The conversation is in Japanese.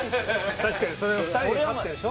確かにそれは２人に勝ってんでしょ？